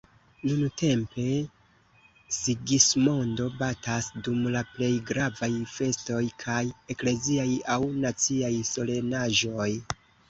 Nuntempe "Sigismondo" batas dum la plej gravaj festoj kaj ekleziaj aŭ naciaj solenaĵoj.